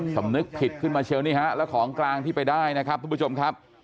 สำนึกผิดขึ้นมาเชียวนี่ฮะแล้วของกลางที่ไปได้นะครับทุกผู้ชมครับ